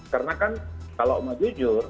karena kan kalau mau jujur